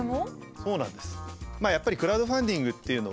そうなんです。